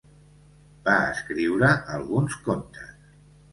Va escriure alguns contes.